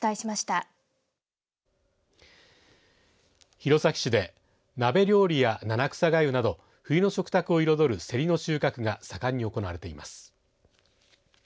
弘前市で、鍋料理や七草がゆなど冬の食卓を彩る、せりの収穫が盛んに行われています。